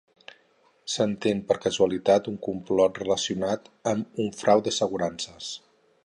Senten per casualitat un complot relacionat amb un frau d'assegurança.